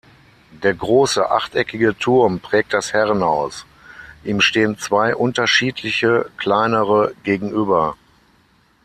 Der große achteckige Turm prägt das Herrenhaus, ihm stehen zwei unterschiedliche kleinere gegenüber.